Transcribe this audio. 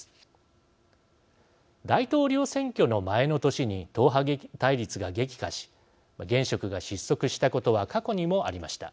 大統領選挙の前の年に党派対立が激化し現職が失速したことは過去にもありました。